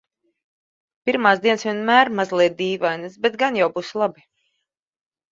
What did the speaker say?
Pirmās dienas vienmēr mazliet dīvainas, bet gan jau būs labi.